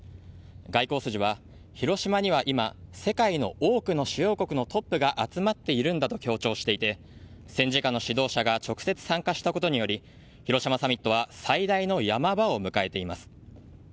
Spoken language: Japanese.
外交筋は、広島には今世界の多くの主要国のトップが集まっているんだと強調していて戦時下の指導者が直接参加したことにより広島サミットは最大のやま場を迎えています。